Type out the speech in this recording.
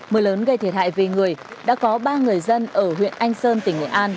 mưa lớn gây thiệt hại về người đã có ba người dân ở huyện anh sơn tỉnh nghệ an